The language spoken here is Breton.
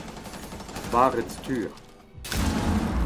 barrenn-stur